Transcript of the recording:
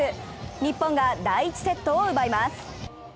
日本が第１セットを奪います。